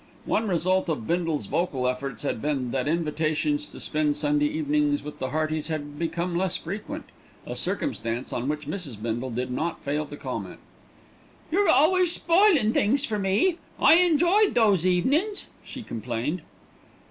One result of Bindle's vocal efforts had been that invitations to spend Sunday evenings with the Heartys had become less frequent, a circumstance on which Mrs. Bindle did not fail to comment. "You're always spoilin' things for me. I enjoyed those evenin's," she complained.